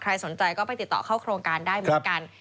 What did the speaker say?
สนใจก็ไปติดต่อเข้าโครงการได้เหมือนกัน